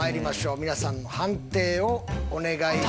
皆さんの判定をお願いします。